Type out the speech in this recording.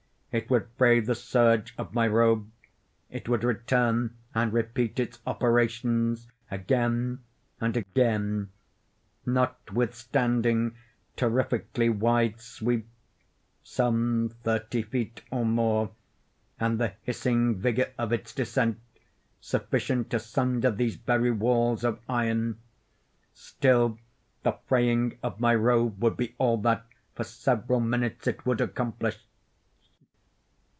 It would fray the serge of my robe—it would return and repeat its operations—again—and again. Notwithstanding its terrifically wide sweep (some thirty feet or more) and the hissing vigor of its descent, sufficient to sunder these very walls of iron, still the fraying of my robe would be all that, for several minutes, it would accomplish.